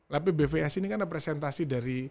lepas bvs ini kan ada presentasi dari